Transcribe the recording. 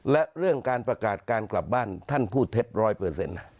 และเรื่องการประกาศการกลับบ้านท่านพูดเท็จร้อยเปอร์เซ็นต์